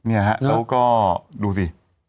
เนี่ยฮะแล้วก็ดูสิ